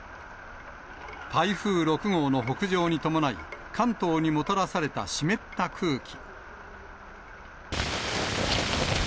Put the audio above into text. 台風６号の北上に伴い、関東にもたらされた湿った空気。